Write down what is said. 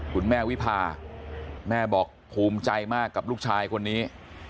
คุณแม่วิพาแม่บอกภูมิใจมากกับลูกชายคนนี้